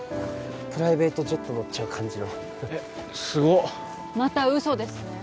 プライベートジェット乗っちゃう感じのえっすごっまた嘘ですね